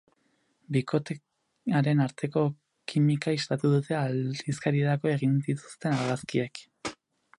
Bikotearen arteko kimika islatu dute aldizkarirako egin dituzten argazkiek.